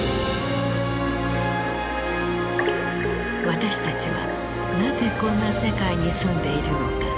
私たちはなぜこんな世界に住んでいるのか。